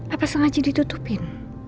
apa sengaja ditutupin